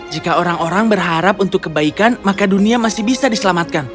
jika orang orang berharap untuk kebaikan maka dunia masih bisa diselamatkan